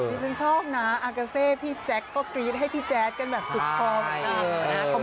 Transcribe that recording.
พี่ฉันชอบนะอากาเซพี่แจ๊คก็กรี๊ดให้พี่แจ๊คกันแบบสุดพร้อม